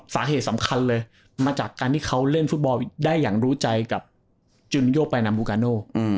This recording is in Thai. สาเหตุสำคัญเลยมาจากการที่เขาเล่นฟุตบอลได้อย่างรู้ใจกับจุนิโยไปนัมบูกาโน